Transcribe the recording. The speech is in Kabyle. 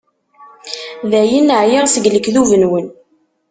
Dayen, εyiɣ seg lekdub-nwen.